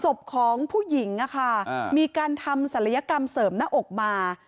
ศพของผู้หญิงมีการทำศัลยกรรมเสริมหน้าอกมา